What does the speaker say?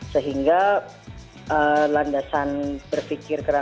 sehingga landasan berpikir